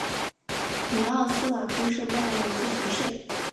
米沃斯瓦夫是波兰的一座城市。